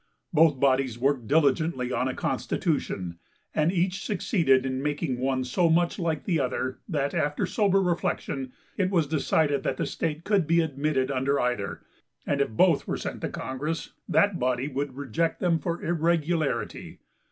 Both bodies worked diligently on a constitution, and each succeeded in making one so much like the other that, after sober reflection, it was decided that the state could be admitted under either, and if both were sent to congress that body would reject them for irregularity.